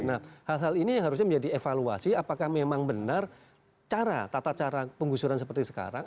nah hal hal ini yang harusnya menjadi evaluasi apakah memang benar cara tata cara penggusuran seperti sekarang